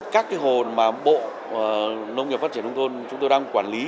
các hồ mà bộ nông nghiệp phát triển nông thôn chúng tôi đang quản lý